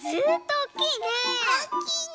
おっきいの。